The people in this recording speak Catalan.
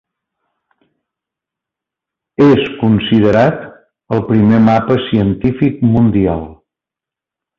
És considerat el primer mapa científic mundial.